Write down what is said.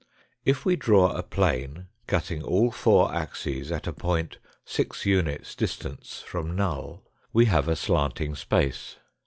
If we draw a plane, cutting all four axes at a point six units distance from null, we have a slanting space.